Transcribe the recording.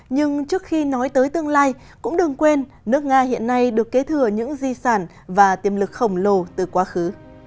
nhưng trước khi nói tới tương lai cũng đừng quên nước nga hiện nay được kế thừa những di sản và tiềm lực khổng lồ từ quá khứ